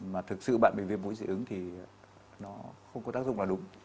mà thực sự bạn bị viêm mũi dị ứng thì nó không có tác dụng vào đúng